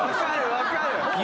分かる！